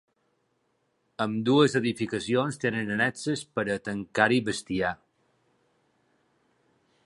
Ambdues edificacions tenen annexes per a tancar-hi bestiar.